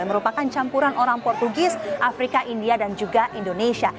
yang merupakan campuran orang portugis afrika india dan juga indonesia